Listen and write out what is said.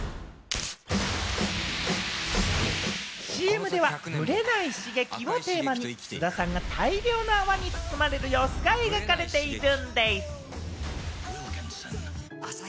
ＣＭでは「ブレない、刺激。」をテーマに、菅田さんが大量の泡に包まれる様子が描かれているんでぃす。